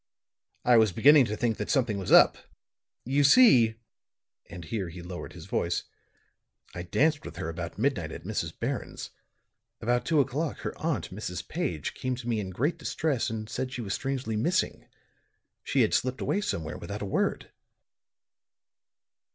I was beginning to think that something was up. You see," and here he lowered his voice, "I danced with her about midnight at Mrs. Barron's; about two o'clock her aunt, Mrs. Page, came to me in great distress and said she was strangely missing. She had slipped away somewhere without a word."